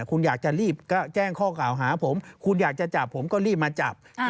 คุณอยากจะรีบก็แจ้งข้อกล่าวหาผมคุณอยากจะจับผมก็รีบมาจับ